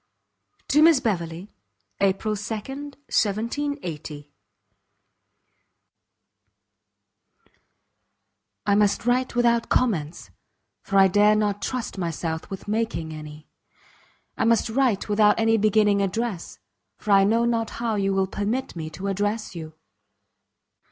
To Miss Beverley. April 2d, 1780 I must write without comments, for I dare not trust myself with making any; I must write without any beginning address, for I know not how you will permit me to address you.